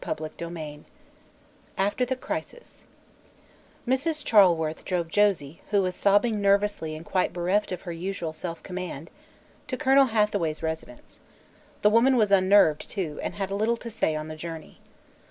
CHAPTER XXIV AFTER THE CRISIS Mrs. Charleworth drove Josie, who was sobbing nervously and quite bereft of her usual self command, to Colonel Hathaway's residence. The woman was unnerved, too, and had little to say on the journey.